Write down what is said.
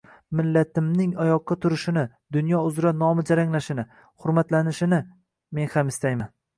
Millatimning oyoqqa turishini, dunyo uzra nomi jaranglashini, hurmatlanishini men ham istayman.